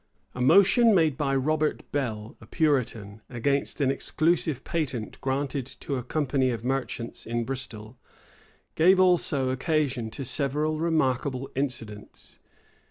A motion made by Robert Bell, a Puritan, against an exclusive patent granted to a company of merchants in Bristol,[] gave also occasion to several remarkable incidents.